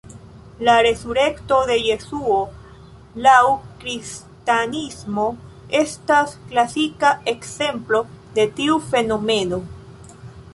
La resurekto de Jesuo laŭ Kristanismo estas klasika ekzemplo de tiu fenomeno.